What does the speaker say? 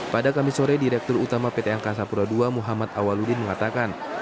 pada kamis sore direktur utama pt angkasa pura ii muhammad awaludin mengatakan